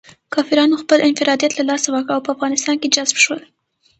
کافرانو خپل انفرادیت له لاسه ورکړ او په افغانستان کې جذب شول.